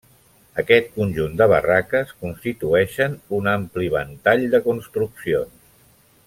Aquest conjunt de barraques constitueixen un ampli ventall de construccions.